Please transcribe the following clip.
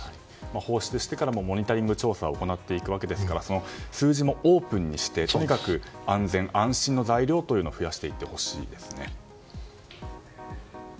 放出してからはモニタリング調査をしていくわけですからその数字をオープンにしてとにかく安全・安心の材料を増やしていってほしいですね。